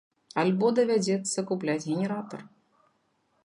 Альбо давядзецца купляць генератар.